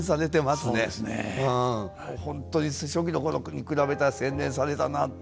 本当に初期の頃に比べたら洗練されたなって。